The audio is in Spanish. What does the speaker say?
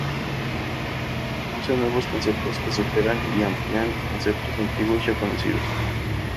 Introduce nuevos conceptos, que superan y amplían conceptos antiguos ya conocidos.